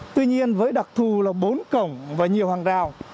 tuy nhiên với đặc thù là bốn cổng và nhiều hàng rào